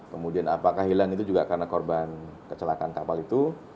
kemudian apakah hilang itu juga karena korban kecelakaan kapal itu